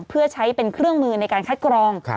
เพื่อใช้เป็นเครื่องมือในการคัดกรอง